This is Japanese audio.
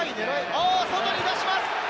あー、外に出します。